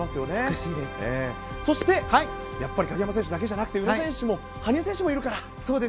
そして、やっぱり鍵山選手だけじゃなくて宇野選手も羽生選手もいるから。